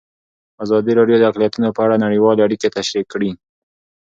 ازادي راډیو د اقلیتونه په اړه نړیوالې اړیکې تشریح کړي.